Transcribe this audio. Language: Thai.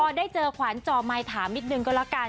พอได้เจอขวัญจ่อมายถามนิดนึงก็ละกัน